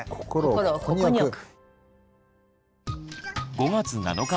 心をここに置く。